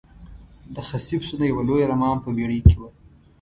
د خسي پسونو یوه لویه رمه هم په بېړۍ کې وه.